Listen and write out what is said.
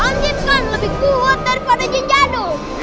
om jin kan lebih kuat daripada jin jadul